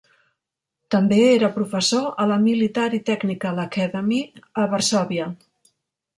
També era professor a la Military Technical Academy a Varsòvia.